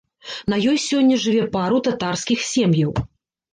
На ёй сёння жыве пару татарскіх сем'яў.